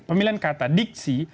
pemilihan kata diksi